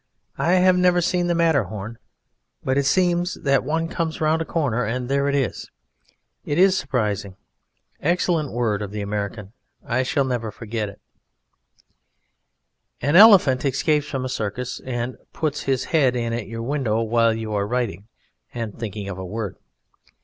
I have never seen the Matterhorn; but it seems that one comes round a corner, and there it is. It is surprising! Excellent word of the American. I never shall forget it! An elephant escapes from a circus and puts his head in at your window while you are writing and thinking of a word.